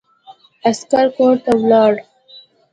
عسکر کورته ولاړ.